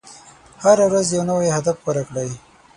هره ورځ یو نوی هدف غوره کړئ.